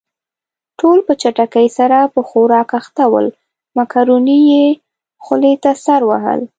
ټول په چټکۍ سره په خوراک اخته ول، مکروني يې خولې ته سر وهل.